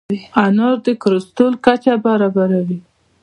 انار د کولیسټرول کچه برابروي.